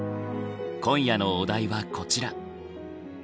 今夜のお題はこちら。